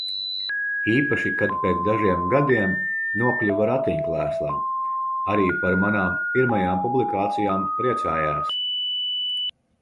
Īpaši, kad pēc dažiem gadiem nokļuva ratiņkrēslā. Arī par manām pirmajām publikācijām priecājās.